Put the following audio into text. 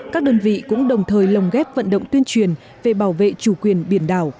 các đơn vị cũng đồng thời lồng ghép vận động tuyên truyền về bảo vệ chủ quyền biển đảo